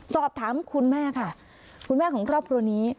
สอบถามคุณแม่ค่ะคุณแม่ของครอบครัวนี้